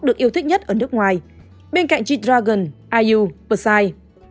được yêu thích nhất ở nước ngoài bên cạnh g dragon iu psy